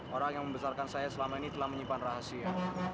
orang yang membesarkan saya selama ini telah menyimpan rahasia